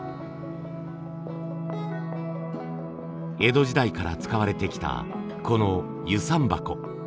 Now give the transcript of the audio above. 江戸時代から使われてきたこの遊山箱。